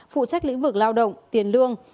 phụ trách lĩnh vực lao động tiền lương